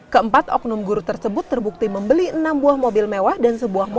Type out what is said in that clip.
keempat oknum guru tersebut terbukti membeli enam buah mobil mewah dan sebuah mobil